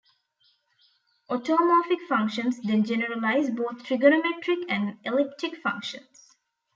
Automorphic functions then generalize both trigonometric and elliptic functions.